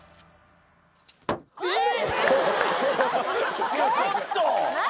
えっ！